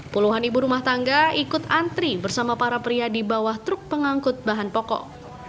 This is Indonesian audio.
puluhan ibu rumah tangga ikut antri bersama para pria di bawah truk pengangkut bahan pokok